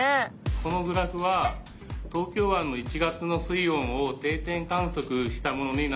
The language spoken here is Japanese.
このグラフは東京湾の１月の水温を定点観測したものになっています。